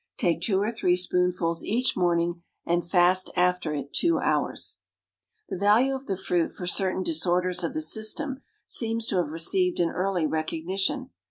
Take two or three spoonfuls each morning and fast after it two hours." The value of the fruit for certain disorders of the system seems to have received an early recognition.